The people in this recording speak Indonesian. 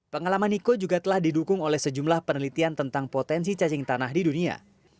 pengalaman niko juga telah didukung oleh sejumlah penelitian tentang potensi cacing tanah di dunia